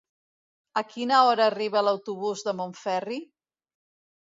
A quina hora arriba l'autobús de Montferri?